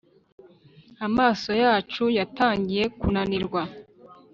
Amaso yacu yatangiye kunanirwa,